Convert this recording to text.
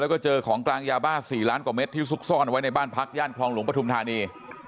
แล้วก็เจอของกลางยาบ้า๔ล้านกว่าเม็ดที่ซุกซ่อนไว้ในบ้านพักย่านคลองหลวงปฐุมธานี